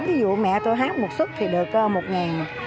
ví dụ mẹ tôi hát một xuất thì được một